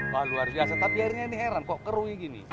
wah luar biasa tapi airnya ini heran kok kerui gini